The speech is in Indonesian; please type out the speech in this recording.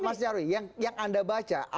mas nyarwi yang anda baca